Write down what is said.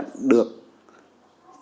bọn tôi được nhất